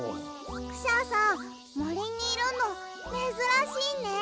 クシャさんもりにいるのめずらしいね。